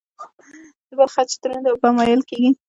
د بل خج دروند او بم وېل کېږي.